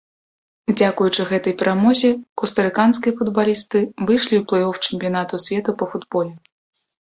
Дзякуючы гэтай перамозе костарыканскія футбалісты выйшлі ў плэй-оф чэмпіянату свету па футболе.